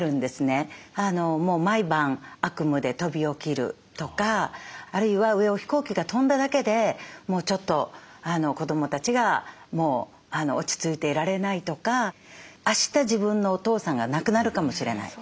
もう毎晩悪夢で飛び起きるとかあるいは上を飛行機が飛んだだけでもうちょっと子どもたちがもう落ち着いていられないとかあした自分のお父さんが亡くなるかもしれない。